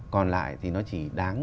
còn lại thì nó chỉ đáng